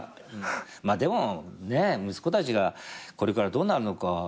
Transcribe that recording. でも息子たちがこれからどうなるのか